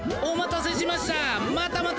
お待たせしました。